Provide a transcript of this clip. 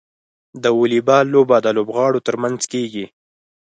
د واليبال لوبه د لوبغاړو ترمنځ کیږي.